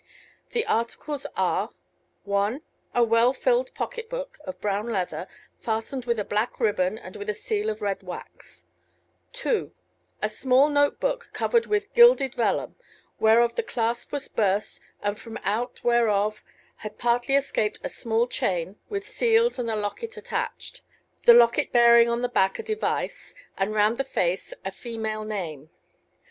The articles are =1=, a well filled pocket book, of brown leather, fastened with a black ribbon and with a seal of red wax; =2=, a small note book, covered with gilded vellum, whereof the clasp was burst, and from out whereof had partly escaped a small chain, with seals and a locket attached, the locket bearing on the back a device, and round the face a female name.